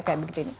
kayak begitu ini